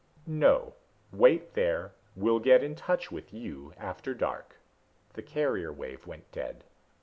"No. Wait there we'll get in touch with you after dark." The carrier wave went dead.